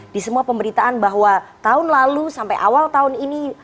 di semua pemberitaan bahwa tahun lalu sampai awal tahun ini